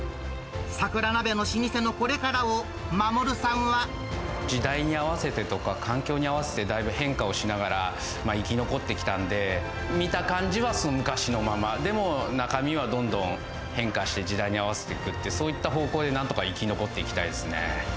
桜なべの老舗のこれからを守さんは。時代に合わせてとか、環境に合わせてだいぶ変化をしながら生き残ってきたんで、見た感じは昔のまま、でも中身はどんどん変化して、時代に合わせていくって、そういった方向でなんとか生き残っていきたいですね。